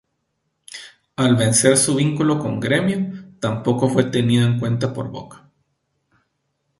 Al vencer su vínculo con Grêmio, tampoco fue tenido en cuenta por Boca.